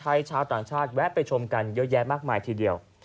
ชาวต่างชาติแวะไปชมกันเยอะแยะมากมายทีเดียว